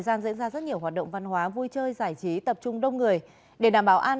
gian diễn ra rất nhiều hoạt động văn hóa vui chơi giải trí tập trung đông người để đảm bảo an